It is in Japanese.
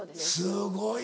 すごいな。